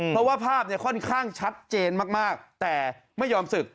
เพราะว่าภาพค่อนข้างชัดเจนมากแต่ไม่ยอมศึก